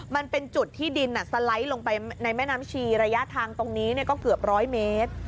มันเป็นจุดที่ดินสไลด์ลงไปในแม่น้ำชีระยะทางตรงนี้ก็เกือบร้อยเมตร